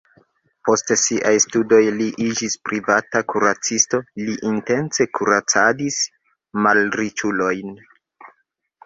Post siaj studoj li iĝis privata kuracisto, li intence kuracadis malriĉulojn.